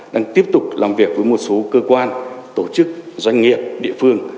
đang tiếp tục làm việc với một số cơ quan tổ chức doanh nghiệp địa phương